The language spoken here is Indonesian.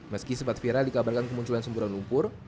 meski sempat viral dikabarkan kemunculan semburan lumpur